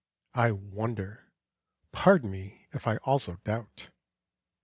I wonder; pardon me if I also doubt!